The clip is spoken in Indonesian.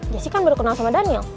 jessy kan baru kenal sama daniel